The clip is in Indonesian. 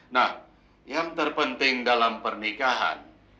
nah yang terpenting dalam pernikahan